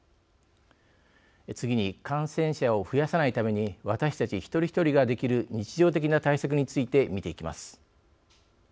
次に、感染者を増やさないために私たち、ひとり一人ができる日常的な対策について見ていきます。